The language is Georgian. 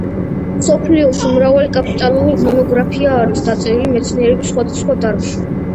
მსოფლიოში მრავალი კაპიტალური მონოგრაფია არის დაწერილი მეცნიერების სხვადასხვა დარგში.